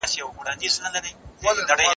که تعلیمي وسایل برابر وي، زده کړه ځنډ نه خوري.